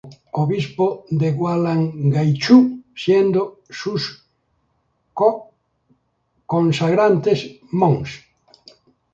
Luis Guillermo Eichhorn, obispo de Gualeguaychú, siendo sus co-consagrantes: Mons.